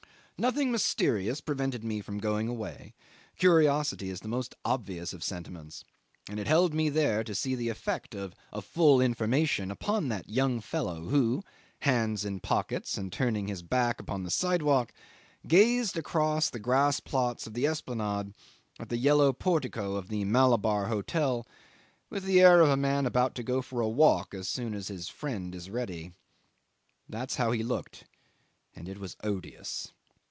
Nothing mysterious prevented me from going away: curiosity is the most obvious of sentiments, and it held me there to see the effect of a full information upon that young fellow who, hands in pockets, and turning his back upon the sidewalk, gazed across the grass plots of the Esplanade at the yellow portico of the Malabar Hotel with the air of a man about to go for a walk as soon as his friend is ready. That's how he looked, and it was odious.